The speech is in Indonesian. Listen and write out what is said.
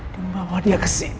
dan bawa dia kesini